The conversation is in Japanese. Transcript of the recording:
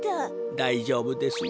だいじょうぶですよ。